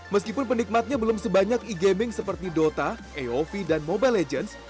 meskipun penikmatnya belum sebanyak e gaming seperti dota aov dan mobile legends